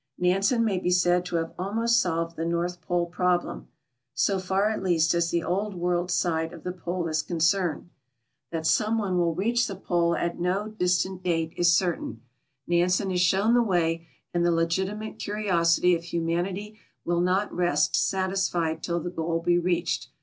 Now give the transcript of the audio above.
Nansen may be said to have almost solved the North Pole problem — so far, at least, as the Old World side of the Pole is concerned. That some one will reach the Pole at no distant date is certain ; Nansen has shown the way, and the legitimate curiosity of humanity will not rest satisfied till the goal be reached.